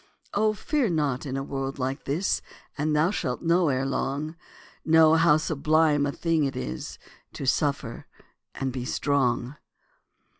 Oh, fear not in a world like this, And thou shalt know ere long, Know how sublime a thing it is To suffer and be strong.